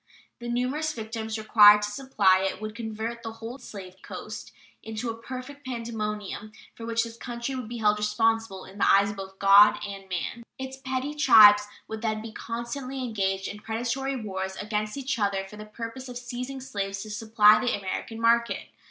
The numerous victims required to supply it would convert the whole slave coast into a perfect pandemonium, for which this country would be held responsible in the eyes both of God and man. Its petty tribes would then be constantly engaged in predatory wars against each other for the purpose of seizing slaves to supply the American market.